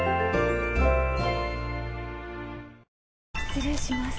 失礼します。